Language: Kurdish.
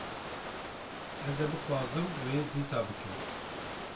Ez ê bixwazim wê dîsa bikim.